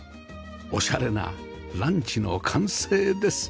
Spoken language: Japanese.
オシャレなランチの完成です